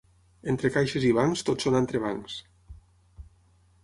Entre caixes i bancs tot són entrebancs.